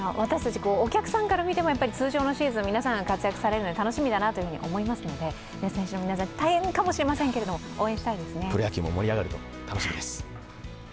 お客さんから見ても通常のシーズン皆さんが活躍するのも楽しみだなと思いますので、選手の皆さん、大変かもしれませんけどプロ野球も盛り上がると楽しみです。